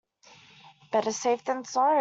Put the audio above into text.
Better safe than sorry.